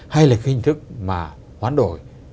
hay là cái hình thức mà hoán đổi